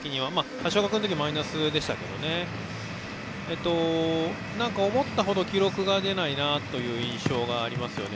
橋岡君の時にはマイナスでしたけど思ったほど記録が出ないなという印象がありますね。